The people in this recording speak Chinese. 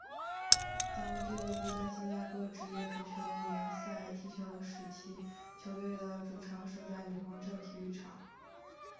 当俱乐部在新加坡职业足球联赛踢球时期球队的主场设在女皇镇体育场。